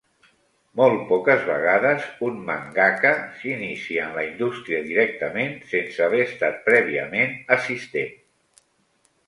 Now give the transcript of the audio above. Molt poques vegades un mangaka s'inicia en la indústria directament, sense haver estat prèviament assistent.